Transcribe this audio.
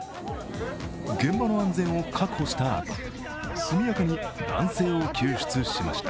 現場の安全を確保したあと、速やかに男性を救出しました。